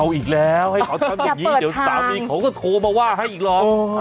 อยากทำแบบนี้เดี๋ยวเขาก้โทรมาให้อีกรอบ